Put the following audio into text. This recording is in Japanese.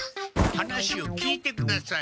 話を聞いてください。